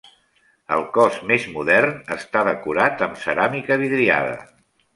El cos més modern està decorat amb ceràmica vidriada.